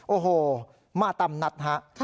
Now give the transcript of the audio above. โอ้โหมาตามนัดฮะ